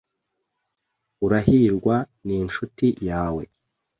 Urahirwa ninshuti yawe.